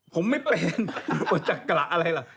ผมไม่เป็นผมจะกระอะไรล่ะ